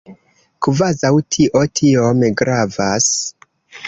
Kvazaŭ tio tiom gravas.